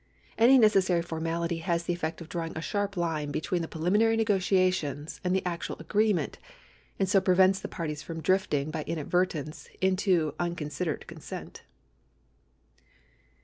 Any necessary formality has the effect of drawing a sharp line between the preliminary negotiations and the actual agree ment, and so prevents the parties from drifting by inadver tence into unconsidered consent.